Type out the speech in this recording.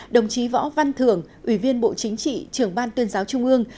đồng chí võ văn thưởng ủy viên bộ chính trị trưởng ban tuyên giáo trung ương